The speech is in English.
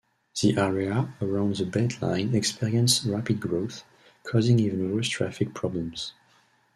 The area around the Beltline experienced rapid growth, causing even worse traffic problems.